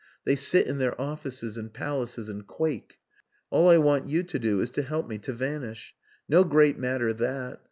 They sit in their offices and palaces and quake. All I want you to do is to help me to vanish. No great matter that.